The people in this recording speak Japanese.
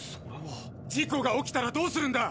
事故が起きたらどうするんだ！